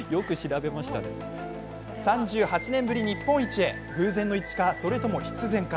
３８年ぶり日本一へ偶然の一致か、それとも必然か。